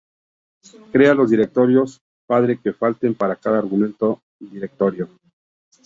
Crea los directorios padre que falten para cada argumento directorio.